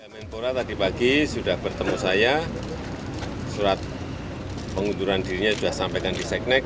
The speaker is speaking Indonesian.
menpora tadi pagi sudah bertemu saya surat pengunduran dirinya sudah sampaikan di seknek